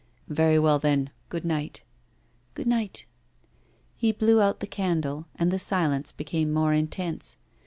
'Very well, then. Good night.' 'Good night.' He blew out the candle, and the silence became more intense.